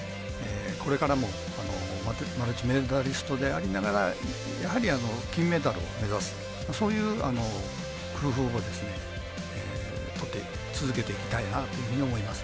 これからもマルチメダリストでありながらやはり金メダルを目指すそういう工夫をですね続けていきたいなというふうに思いますね。